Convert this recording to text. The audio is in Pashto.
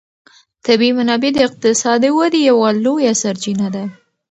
طبیعي منابع د اقتصادي ودې یوه لویه سرچینه ده.